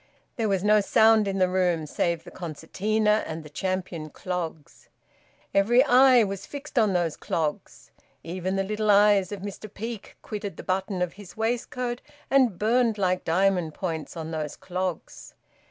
There was no sound in the room, save the concertina and the champion clogs. Every eye was fixed on those clogs; even the little eyes of Mr Peake quitted the button of his waistcoat and burned like diamond points on those clogs.